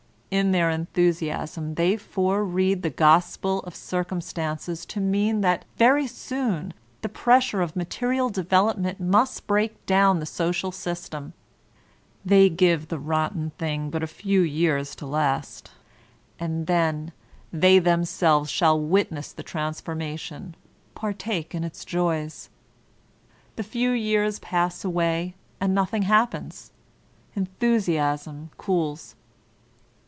In their enthusiasm they foreread the gospel of Circum stances to mean. that very soon the pressure of material development must break down the social system — ^they give the rotten thing but a few years to last; and then, they themselves shall witness the transformation, partake in its joys. The few years pass away and nothing hap pens ; enthusiasm cools.